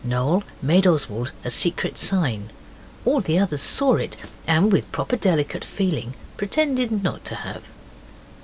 Noel made Oswald a secret signal. All the others saw it, and with proper delicate feeling pretended not to have.